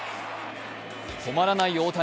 止まらない大谷。